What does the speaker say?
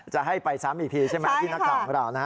จะให้ไปซ้ำอีกทีใช่ไหมที่นักข่าวของเรานะฮะ